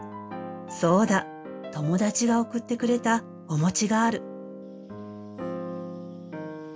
そうだ友達が送ってくれたお餅がある。